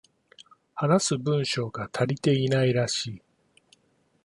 話す文章が足りていないらしい